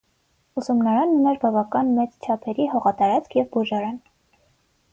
Ուսումնարանն ուներ բավական մեծ չափերի հողատարածք և բուժարան։